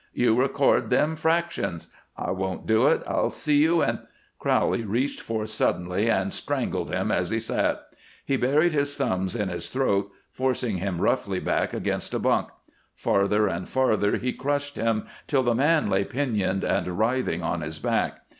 "You record them fractions!" "I won't do it! I'll see you in " Crowley reached forth suddenly and strangled him as he sat. He buried his thumbs in his throat, forcing him roughly back against a bunk. Farther and farther he crushed him till the man lay pinioned and writhing on his back.